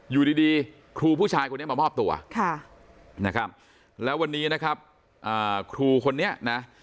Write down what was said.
อยู่ดีครูผู้ชายคนนี้มามอบตัวนะครับแล้ววันนี้นะครับครูคนนี้นะ